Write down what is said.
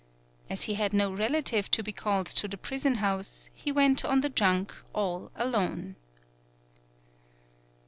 As he had no relative to be called to the prison house, he went on the junk all alone.